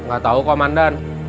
gak tahu komandan